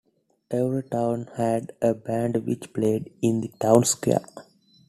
Every town had a Band which played in the town's square.